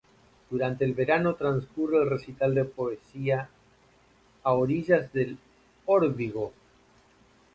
Durante el verano transcurre el recital de poesía: "A orillas del Órbigo".